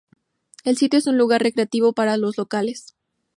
El sitio es un lugar recreativo para los locales.